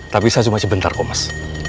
tapi saya cuma sebentar kok mas